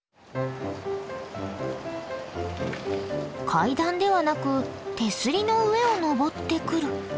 階段ではなく手すりの上を上ってくる。